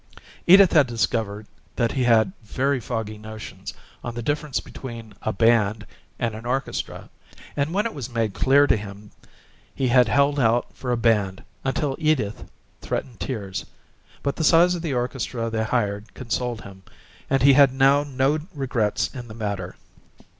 Edith had discovered that he had very foggy notions of the difference between a band and an orchestra, and when it was made clear to him he had held out for a band until Edith threatened tears; but the size of the orchestra they hired consoled him, and he had now no regrets in the matter.